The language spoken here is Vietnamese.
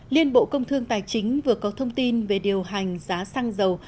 liên bộ công thương tài chính vừa có thông tin về điều hành giá xăng dầu